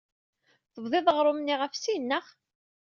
Tebḍiḍ aɣrum-nni ɣef sin, naɣ?